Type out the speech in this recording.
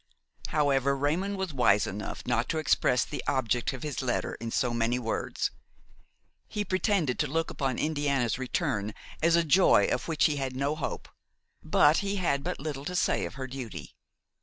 However, Raymon was wise enough not to express the object of his letter in so many words. He pretended to look upon Indiana's return as a joy of which he had no hope; but he had but little to say of her duty.